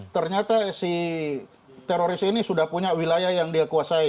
ternyata si teroris ini sudah punya wilayah yang dia kuasai